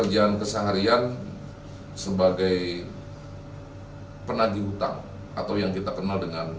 jadi kau yang bawa